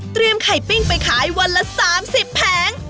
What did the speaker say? เตรียมไข่ปิ้งไปขายวันละ๓๐แผง